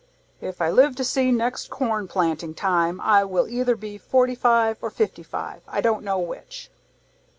"If I live to see next corn planting time I will either be forty five or fifty five, I don't know which."